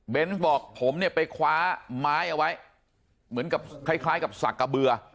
บอกผมเนี่ยไปคว้าไม้เอาไว้เหมือนกับคล้ายกับสักกระเบือ